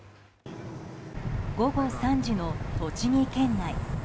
午後３時の栃木県内。